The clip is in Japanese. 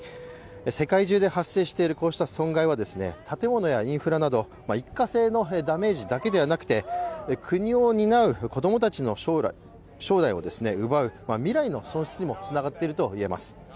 世界中で発生しているこうした損害は、建物やインフラなど一過性のダメージだけではなく国を担う子供たちの将来を奪う未来の損失にもつながっていると言えます。